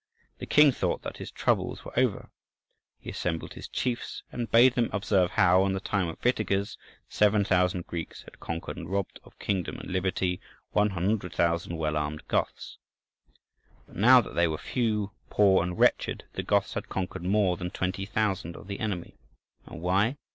The King thought that his troubles were over; he assembled his chiefs, and bade them observe how, in the time of Witiges, 7,000 Greeks had conquered, and robbed of kingdom and liberty, 100,000 well armed Goths. But now that they were few, poor, and wretched, the Goths had conquered more than 20,000 of the enemy. And why?